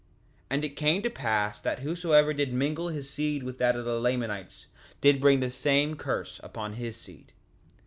3:9 And it came to pass that whosoever did mingle his seed with that of the Lamanites did bring the same curse upon his seed.